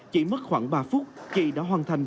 chỉ mất khoảng ba phút chị đã hoàn thành